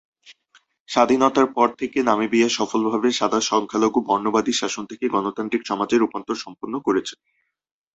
স্বাধীনতার পর থেকে নামিবিয়া সফলভাবে সাদা সংখ্যালঘু বর্ণবাদী শাসন থেকে গণতান্ত্রিক সমাজে রূপান্তর সম্পন্ন করেছিল।